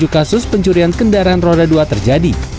tiga belas enam ratus tujuh kasus pencurian kendaraan roda dua terjadi